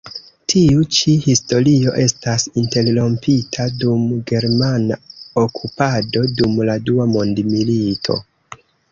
Tiu ĉi historio estas interrompita dum germana okupado dum la Dua mondmilito.